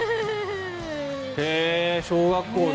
へえ、小学校だ。